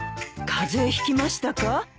風邪ひきましたか？